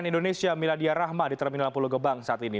cnn indonesia miladia rahma di terminal pulau gebang saat ini